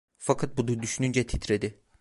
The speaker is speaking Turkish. Fakat bunu düşününce titredi.